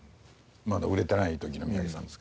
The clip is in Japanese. まだ売れてない時の三宅さんです。